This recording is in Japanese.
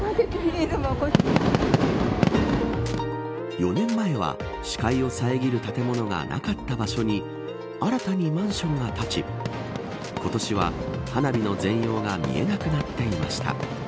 ４年前は視界を遮る建物がなかった場所に新たにマンションが立ち今年は花火の全容が見えなくなっていました。